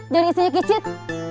dari istrinya kicit